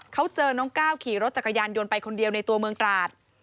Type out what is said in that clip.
เขาเจอน้องก้าวขี่รถจักรยานยนต์ไปคนเดียวในตัวเมืองตราด